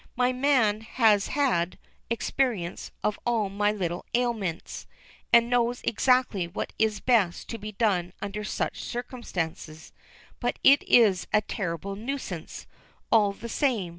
My man has had experience of my little ailments, and knows exactly what is best to be done under such circumstances; but it is a terrible nuisance, all the same.